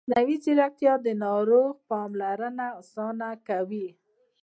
مصنوعي ځیرکتیا د ناروغ پاملرنه اسانه کوي.